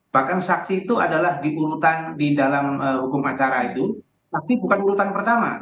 bahkan saksi itu adalah diurutan di dalam hukum acara itu tapi bukan urutan pertama